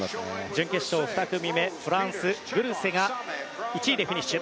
準決勝２組目フランス、グルセが１位でフィニッシュ。